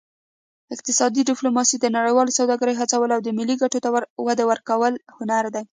اقتصادي ډیپلوماسي د نړیوالې سوداګرۍ هڅولو او ملي ګټو ته وده ورکولو هنر دی